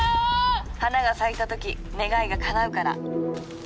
花が咲いた時願いがかなうから。